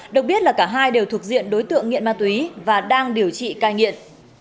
được biết là cả hai đều thuộc diện đối tượng nghiện ma túy và đang điều trị cai nghiện